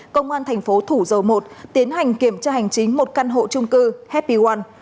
công an tp thủ dầu một tiến hành kiểm tra hành chính một căn hộ trung cư happy one